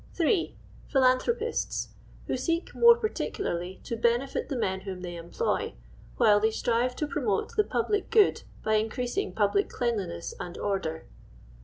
(8.) PhUantliropi»tt, who seek, more particu larly, to benefit the men whom thoy employ, while they strive to promote the public good by increasing public cleanliness aud order.